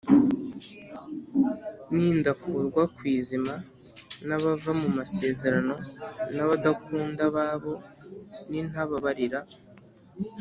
n’indakurwa ku izima, n’abava mu masezerano n’abadakunda ababo n’intababarira,